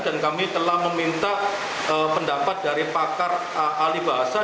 dan kami telah meminta pendapat dari pakar alibasa